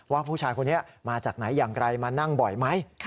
ว่าผู้ชายคนนี้มาจากไหนอย่างไรมานั่งบ่อยไหม